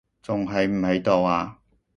仲喺唔喺度啊？